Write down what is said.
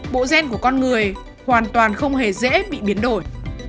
bộ gen của con người hoàn toàn không hề dễ bị biến đổi